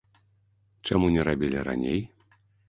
Чаму не рабілі раней?